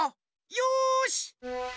よし！